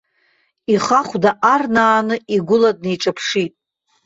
Ихахәда аарнааны, игәыла днеиҿаԥшит.